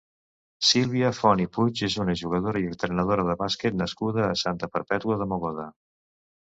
Sílvia Font i Puig és una jugadora i entrenadora de bàsquet nascuda a Santa Perpètua de Mogoda.